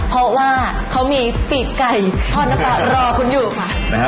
เพราะว่าเขามีปีกไก่ทอดน้ำปลารอคุณอยู่ค่ะ